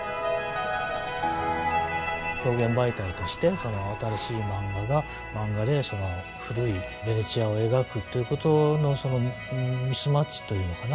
表現媒体として新しい漫画が漫画で古いヴェネチアを描くということのそのミスマッチというのかな